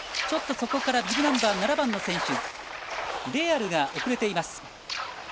ちょっと、そこからビブナンバー７番の選手レーアルが遅れている。